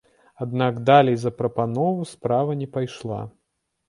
Аднак далей за прапанову справа не пайшла.